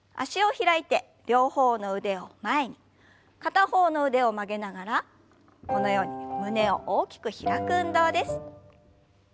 片方の腕を曲げながらこのように胸を大きく開く運動です。